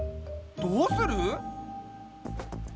どうする？